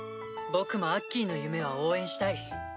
僕もアッキーの夢は応援したい。